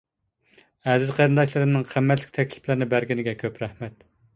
ئەزىز قېرىنداشلىرىمنىڭ قىممەتلىك تەكلىپلەرنى بەرگىنىگە كۆپ رەھمەت.